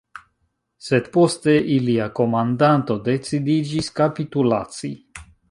Sed poste ilia komandanto decidiĝis kapitulaci.